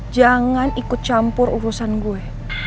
jangan ikut campur urusan gue